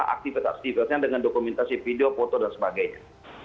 aktifitas aktifitasnya dengan dokumentasi video foto dan sebagainya